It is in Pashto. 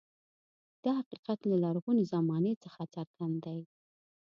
دا حقیقت له لرغونې زمانې څخه څرګند دی.